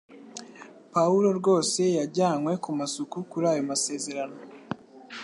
Pawulo rwose yajyanywe kumasuku kuri ayo masezerano